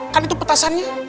kan itu petasannya